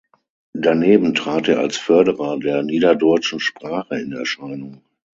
Daneben trat er als Förderer der niederdeutschen Sprache in Erscheinung.